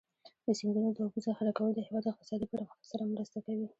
د سیندونو د اوبو ذخیره کول د هېواد اقتصادي پرمختګ سره مرسته کوي.